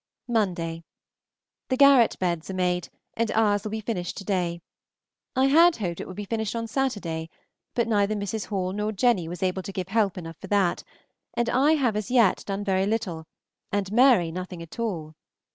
Monday. The garret beds are made, and ours will be finished to day. I had hoped it would be finished on Saturday, but neither Mrs. Hall nor Jenny was able to give help enough for that, and I have as yet done very little, and Mary nothing at all.